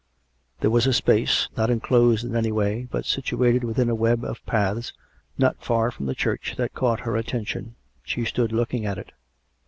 There was a space, not enclosed in any way, but situated within a web of paths, not far from the church, that caught her atten tion. She stood looking at it.